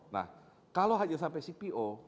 nah kalau hanya sampai cpo